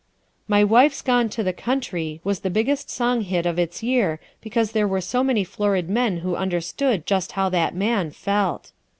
"My Wife's Gone to the Country," was the biggest song hit of its year because there were so many florid men who understood just how that man felt!